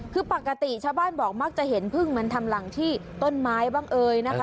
คือปกติชาวบ้านบอกมักจะเห็นพึ่งเหมือนทำหลังที่ต้นไม้บ้างเอ่ยนะคะ